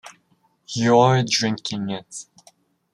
You're drinking it.